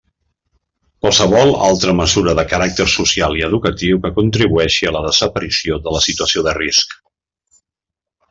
Qualsevol altra mesura de caràcter social i educatiu que contribueixi a la desaparició de la situació de risc.